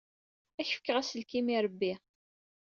Ad ak-fkeɣ aselkim n yirebbi.